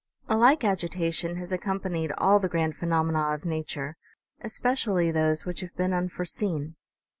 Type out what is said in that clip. A like agitation has ac companied all the grand phenomena of nature, especially those which have been unforeseen.